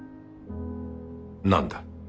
何だ。